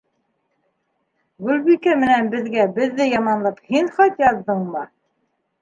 Гөлбикә менән беҙгә беҙҙе яманлап һин хат яҙҙыңмы?